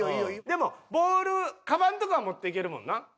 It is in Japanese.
でもボールかばんとかは持っていけるもんな。